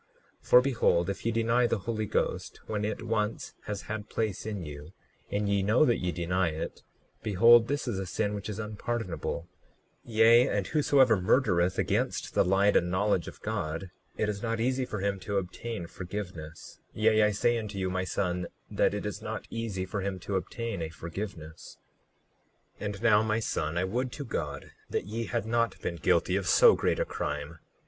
39:6 For behold, if ye deny the Holy Ghost when it once has had place in you, and ye know that ye deny it, behold, this is a sin which is unpardonable; yea, and whosoever murdereth against the light and knowledge of God, it is not easy for him to obtain forgiveness; yea, I say unto you, my son, that it is not easy for him to obtain a forgiveness. 39:7 And now, my son, I would to God that ye had not been guilty of so great a crime.